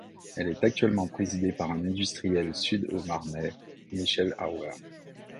Elle est actuellement présidée par un industriel Sud Haut-Marnais, Michel Auer.